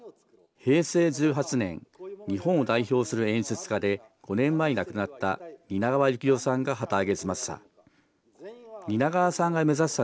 平成１８年、日本を代表する演出家で、５年前に亡くなった蜷川幸雄さんが旗揚げしました。